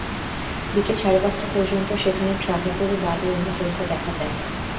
বিকেল সাড়ে পাঁচটা পর্যন্ত সেখানে ট্রাকে করে বালু এনে ফেলতে দেখা যায়।